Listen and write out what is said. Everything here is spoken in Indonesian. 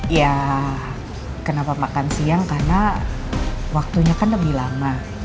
ya kenapa makan siang karena waktunya kan lebih lama